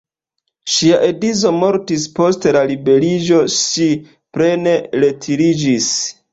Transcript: Ŝia edzo mortis, post la liberiĝo ŝi plene retiriĝis.